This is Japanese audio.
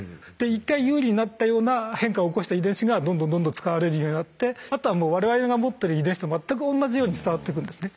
１回有利になったような変化を起こした遺伝子がどんどんどんどん使われるようになってあとはもう我々が持ってる遺伝子と全く同じように伝わっていくんですね。